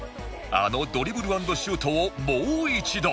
あのドリブル＆シュートをもう一度